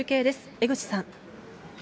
江口さん。